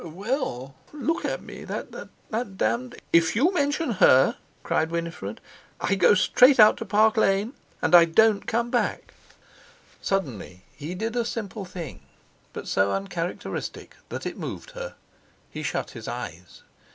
"Well, look at me! That—that damned...." "If you mention her," cried Winifred, "I go straight out to Park Lane and I don't come back." Suddenly he did a simple thing, but so uncharacteristic that it moved her. He shut his eyes.